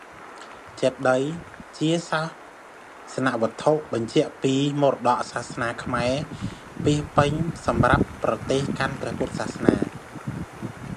ចេតិយ ជាសាសនវត្ថុបញ្ជាក់អំពីមរតកសាសនាខ្មែរ ពាសពេញសម្រាប់ប្រទេសកាន់ព្រះពុទ្ធសាសនា។